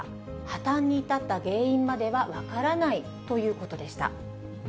破綻に至った原因までは分からないということでした。